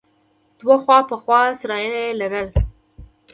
دوه خوا په خوا سرايونه يې لرل.